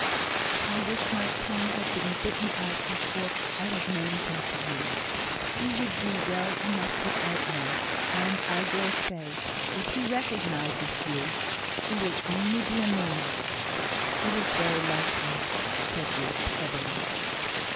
"I wish my tongue had been bitten out before I had named him to you. He would do well enough without you; and, I dare say, if he recognises you, he will only be annoyed." "It is very likely," said Ruth, heavily.